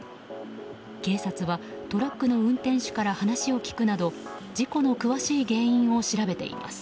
警察はトラックの運転手から話を聞くなど事故の詳しい原因を調べています。